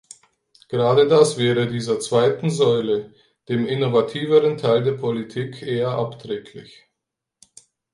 Gerade das wäre dieser zweiten Säule, dem innovativeren Teil der Politik, eher abträglich.